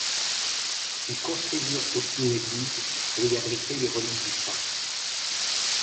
Ils construisirent aussi une église pour y abriter les reliques du saint.